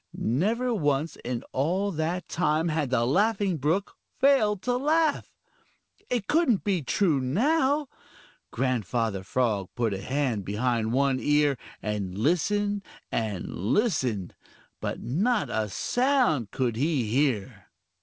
Never once in all that time had the Laughing Brook failed to laugh. It couldn't be true now! Grandfather Frog put a hand behind one ear and listened and listened, but not a sound could he hear.